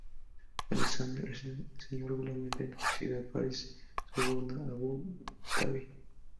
Alexander Schnell enseñó regularmente en la Universidad París-Sorbona-Abu Dhabi.